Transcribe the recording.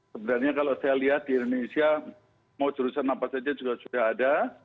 sebenarnya kalau saya lihat di indonesia mau jurusan apa saja juga sudah ada